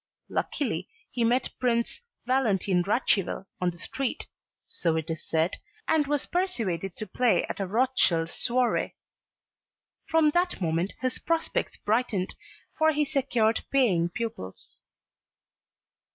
Luckily he met Prince Valentine Radziwill on the street, so it is said, and was persuaded to play at a Rothschild soiree. From that moment his prospects brightened, for he secured paying pupils.